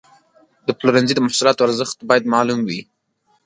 د پلورنځي د محصولاتو ارزښت باید معلوم وي.